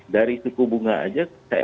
dari siku bunga saja saya